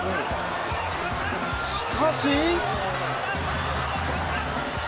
しかし。